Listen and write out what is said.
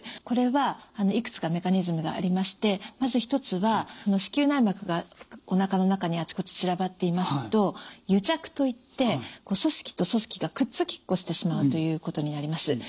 これはいくつかメカニズムがありましてまず一つは子宮内膜がおなかの中にあちこち散らばっていますと癒着といって組織と組織がくっつきっこしてしまうということになります。